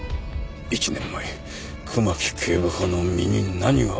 １年前熊木警部補の身に何が起きたのか。